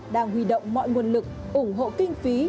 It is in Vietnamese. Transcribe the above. đang huy động mọi nguồn lực ủng hộ kinh phí